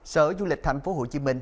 sở du lịch tp hcm